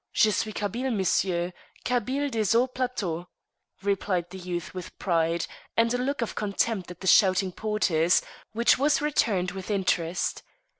"Je suis Kabyle, monsieur; Kabyle des hauts plateaux," replied the youth with pride, and a look of contempt at the shouting porters, which was returned with interest.